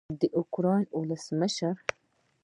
د اوکراین ولسمشر